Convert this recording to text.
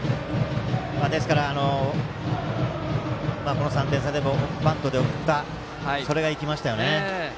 ですから、この３点差でもバントで送ったのが生きましたね。